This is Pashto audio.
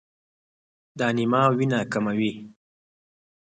د انیمیا وینه کموي.